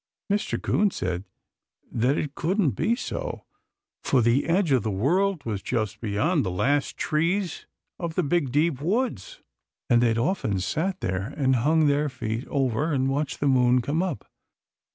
Mr. 'Coon said that it couldn't be so, for the edge of the world was just beyond the last trees of the big deep woods, and that he'd often sat there and hung his feet over and watched the moon come up.